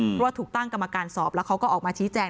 เพราะว่าถูกตั้งกรรมการสอบแล้วเขาก็ออกมาชี้แจง